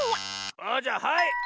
あじゃはい！